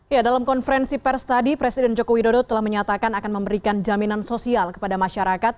ya dalam konferensi pers tadi presiden joko widodo telah menyatakan akan memberikan jaminan sosial kepada masyarakat